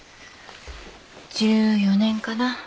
１４年かな。